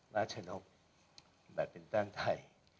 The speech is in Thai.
ราชนกษ์แบบเป็นตั้งไทย